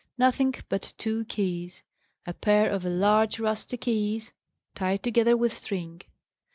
Nothing but two keys. A pair of large rusty keys, tied together with string.